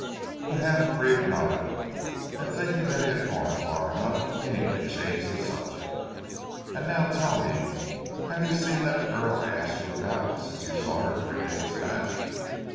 The half breed nodded, and thinking that he had gone far enough, Ainley changed the subject. "And now tell me, have you seen that girl I asked you about since you saw her three days back?"